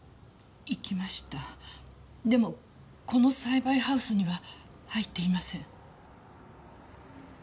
でもこの栽培ハウスには入っていません。